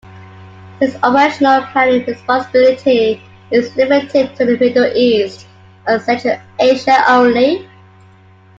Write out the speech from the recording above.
His operational planning responsibility is limited to the Middle East and Central Asia only.